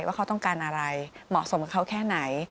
ว่าเขาต้องการอะไรเหมาะสมกับเขาแค่ไหน